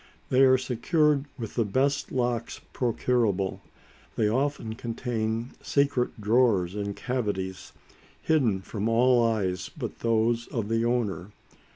They are secured with the best locks procurable. They often contain secret drawers and cavities, hidden from all eyes but those of the owner.